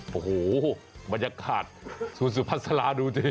โอ้โหบรรยากาศสูตรสุพันธ์สลาดูสิ